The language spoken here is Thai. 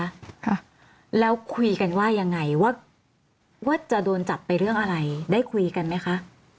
ค่ะแล้วคุยกันว่ายังไงว่าว่าจะโดนจับไปเรื่องอะไรได้คุยกันไหมคะ